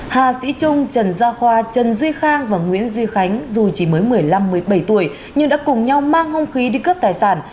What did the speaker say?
hà sĩ trung trần gia khoa trần duy khang và nguyễn duy khánh dù chỉ mới một mươi năm một mươi bảy tuổi nhưng đã cùng nhau mang hông khí đi cướp tài sản